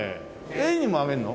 エイにもあげるの？